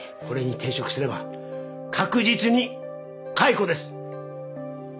これに抵触すれば確実に解雇です！